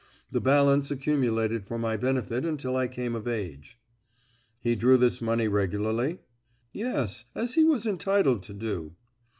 The balance accumulated for my benefit until I came of age." "He drew this money regularly?" "Yes, as he was entitled to do."